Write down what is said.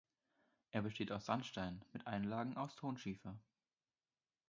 Er besteht aus Sandstein mit Einlagen aus Tonschiefer.